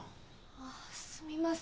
あっすみませ。